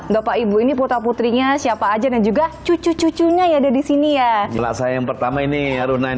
tauangode satu jena untuk datang ben arena